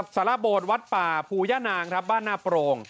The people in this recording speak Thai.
สารโบสถวัดป่าภูย่านางครับบ้านหน้าโปร่ง